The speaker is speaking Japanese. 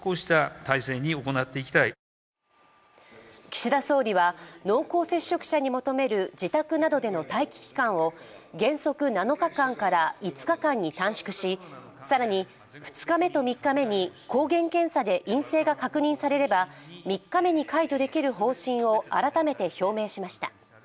岸田総理は濃厚接触者に求める自宅などでの待機期間を原則７日間から５日間に短縮し、更に２日目と３日目に抗原検査で陰性が確認されれば３日目に解除できる方針を改めて表明しました。